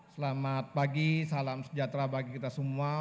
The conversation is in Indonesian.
selamat pagi salam sejahtera bagi kita semua